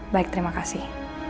baik terima kasih